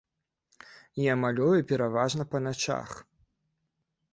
Я малюю пераважна па начах.